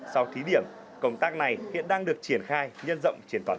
sau thí điểm công tác này hiện đang được triển khai nhân rộng trên tòa tỉnh